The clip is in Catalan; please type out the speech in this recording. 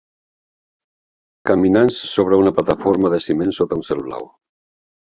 Caminants sobre una plataforma de ciment sota un cel blau.